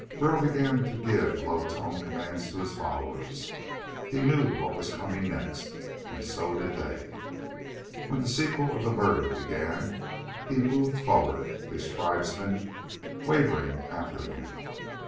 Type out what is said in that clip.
Burl began to give low toned commands to his followers. He knew what was coming next, and so did they. When the sequel of the murder began he moved forward, his tribesmen wavering after him.